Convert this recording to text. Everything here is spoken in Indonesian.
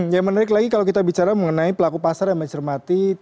yang menarik lagi kalau kita bicara mengenai pelaku pasar yang mencermati